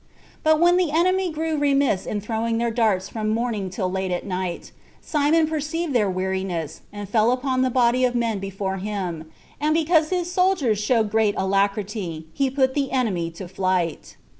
But when the enemy grew remiss in throwing their darts from morning till late at night, Simon perceived their weariness, and fell upon the body of men before him; and because his soldiers showed great alacrity, he put the enemy to flight.